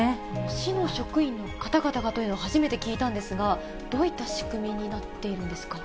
市の職員の方々がというのは、初めて聞いたんですが、どういった仕組みになっているんですか。